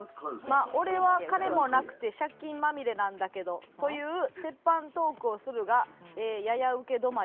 「俺は金もなくて借金まみれなんだけど」という鉄板トークをするがややウケ止まり。